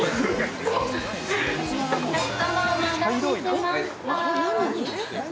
お客様お待たせしました。